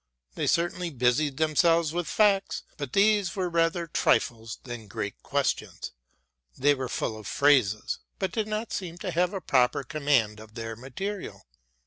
They certainly busied themselves with facts, but these were rather trifles than great questions. They were full of phrases, but did not seem to have a proper command of their material.